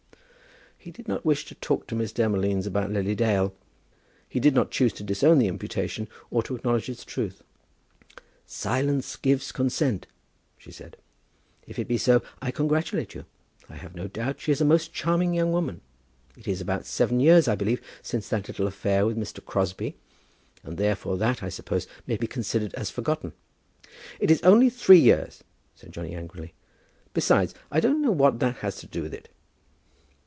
He did not wish to talk to Miss Demolines about Lily Dale. He did not choose to disown the imputation, or to acknowledge its truth. "Silence gives consent," she said. "If it be so, I congratulate you. I have no doubt she is a most charming young woman. It is about seven years, I believe, since that little affair with Mr. Crosbie, and therefore that, I suppose, may be considered as forgotten." "It is only three years," said Johnny, angrily. "Besides, I don't know what that has to do with it."